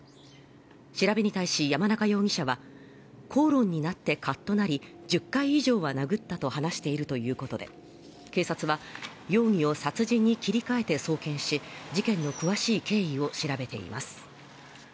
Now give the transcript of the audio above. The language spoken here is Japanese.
調べに対し山中容疑者は、口論になってカッとなり、１０回以上は殴ったと話しているということで、警察は容疑を殺人に切り替えて送検し、事件の詳しい経緯を調べています。